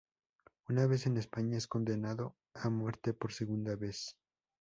Una vez en España es condenado a muerte por segunda vez.